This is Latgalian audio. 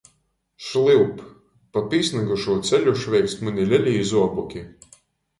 Šliup! pa pīsnygušū ceļu šveikst muni lelī zuoboki.